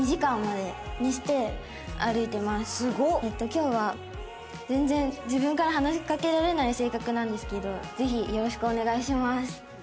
今日は全然自分から話しかけられない性格なんですけどぜひよろしくお願いします。